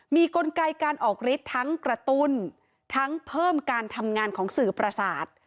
มีกลไกการออกฤทธิ์ทั้งกระตุ้นทั้งเพิ่มการทำงานของสื่อประสาท